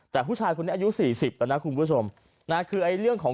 แต่ผู้ชายคนนี้อายุสี่สิบแล้วนะคุณผู้ชมนะคือไอ้เรื่องของ